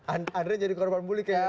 andrei jadi korban buli kayaknya